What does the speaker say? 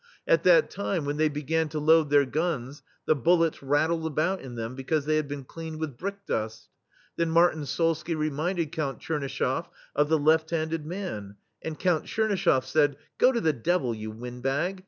At that time, when they be gan to load their guns the bullets rat tled about in them, because they had been cleaned with brick dust. Then Martyn Solsky reminded Count TchernyschefF of the left handed man, and Count TchernyschefF said: "Go to the devil, you windbag